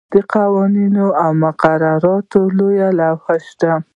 قوانین او مقررات او لوایح هم شته.